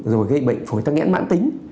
rồi gây bệnh phổi tăng nhãn mãn tính